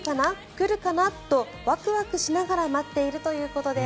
来るかな？とワクワクしながら待っているということです。